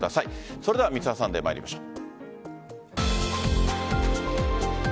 それでは「Ｍｒ．サンデー」参りましょう。